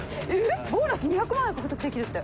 ボーナス２００万円獲得できるって！